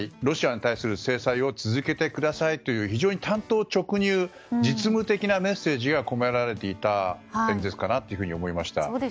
ロシアに対する制裁を続けてくださいという非常に単刀直入実務的なメッセージが込められていた演説かなと思いました。